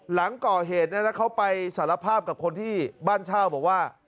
หลังก่อเหตุเขาไปสารภาพกับคนที่บ้านเช่าบอกว่า